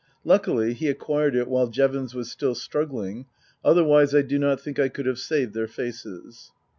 Luckily he acquired it while Jevons was still struggling, other wise I do not think I could have saved their faces.